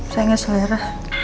saya enggak selera